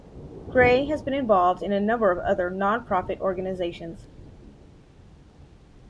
Grey has been involved in a number of other nonprofit organisations.